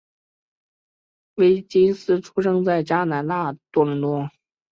威金斯出生在加拿大多伦多。